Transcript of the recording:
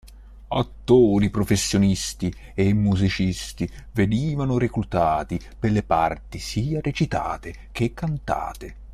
Attori professionisti e musicisti venivano reclutati per le parti sia recitate che cantate.